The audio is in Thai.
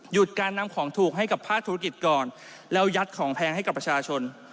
การนำของถูกให้กับภาคธุรกิจก่อนแล้วยัดของแพงให้กับประชาชน